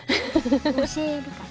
教えるから。